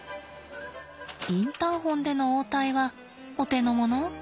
インターホンでの応対はお手のもの？